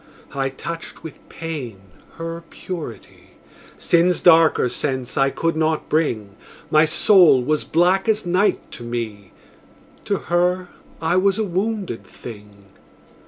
I touched with pain her purity; Sin's darker sense I could not bring: My soul was black as night to me: To her I was a wounded thing.